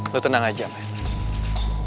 lo tenang aja men